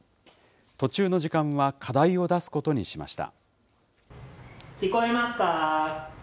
途中の時間は課題を出すことにしました。